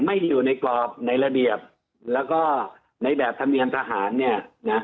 ไม่ได้อยู่ในกรอบในระเบียบแล้วก็ในแบบธรรมเนียมทหารเนี่ยนะ